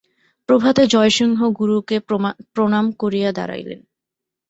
প্রভাতে জয়সিংহ গুরুকে প্রণাম করিয়া দাঁড়াইলেন।